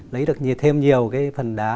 lấy được thêm nhiều cái phần đá